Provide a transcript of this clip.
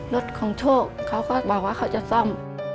รถของโชคเขาก็บอกว่าเขาจะซ่อม